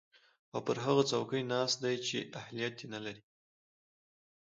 او پر هغه څوکۍ ناست دی چې اهلیت ېې نلري